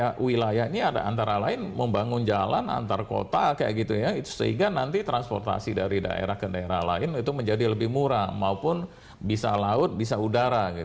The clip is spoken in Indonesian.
karena wilayah ini ada antara lain membangun jalan antar kota kayak gitu ya sehingga nanti transportasi dari daerah ke daerah lain itu menjadi lebih murah maupun bisa laut bisa udara